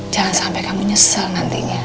jangan sampai kamu nyesel nantinya